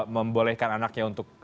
membolehkan anaknya untuk